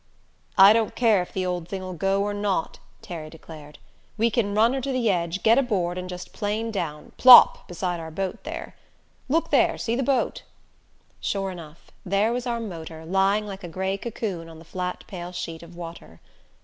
"I don't care if the old thing'll go or not," Terry declared. "We can run her to the edge, get aboard, and just plane down plop! beside our boat there. Look there see the boat!" Sure enough there was our motor, lying like a gray cocoon on the flat pale sheet of water.